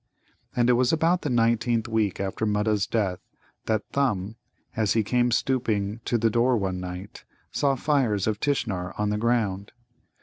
And it was about the nineteenth week after Mutta's death that Thumb, as he came stooping to the door one night, saw fires of Tishnar on the ground.